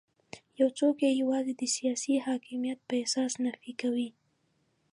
یو څوک یې یوازې د سیاسي حاکمیت په اساس نفي کوي.